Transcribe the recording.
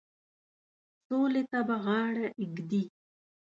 سولي ته به غاړه ایږدي.